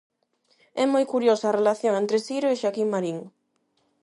É moi curiosa a relación entre Siro e Xaquín Marín.